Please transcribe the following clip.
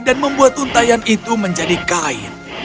dan membuat untayan itu menjadi kain